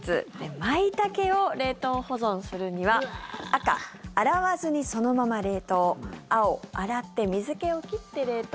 マイタケを冷凍保存するには赤、洗わずにそのまま冷凍青、洗って水気を切って冷凍。